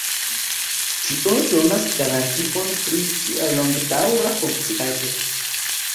Tio donas garantion pri ĝia longedaŭra funkciado.